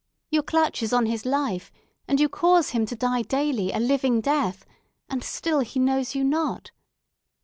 Your clutch is on his life, and you cause him to die daily a living death, and still he knows you not.